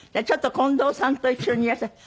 ちょっと近藤さんと一緒にいらした。